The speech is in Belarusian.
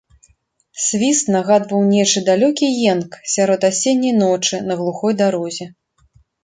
Свіст нагадваў нечы далёкі енк сярод асенняй ночы на глухой дарозе.